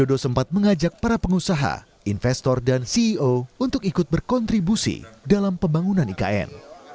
joko widodo sempat mengajak para pengusaha investor dan ceo untuk ikut berkontribusi dalam pembangunan ikn